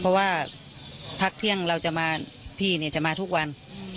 เพราะว่าพักเที่ยงเราจะมาพี่เนี่ยจะมาทุกวัน